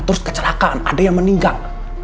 terus kecelakaan ada yang meninggal